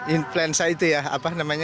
influenza itu ya apa namanya